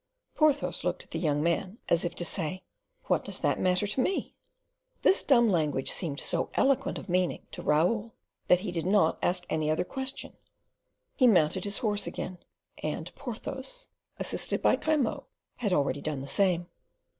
Porthos looked at the young man, as if to say, "What does that matter to me?" This dumb language seemed so eloquent of meaning to Raoul that he did not ask any other question. He mounted his horse again; and Porthos, assisted by Grimaud, had already done the same.